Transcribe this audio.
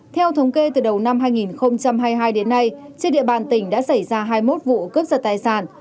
theo thống kê từ đầu năm hai nghìn hai mươi hai đến nay trên địa bàn tỉnh đã xảy ra hai mươi một vụ cướp giật tài sản